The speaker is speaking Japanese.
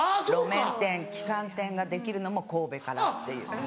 路面店旗艦店ができるのも神戸からっていう。